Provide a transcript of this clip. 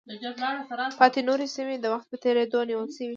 پاتې نورې سیمې د وخت په تېرېدو ونیول شوې.